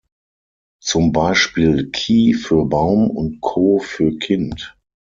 Zum Beispiel Ki für Baum und Ko für Kind.